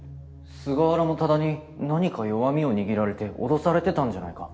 菅原も多田に何か弱みを握られて脅されてたんじゃないか？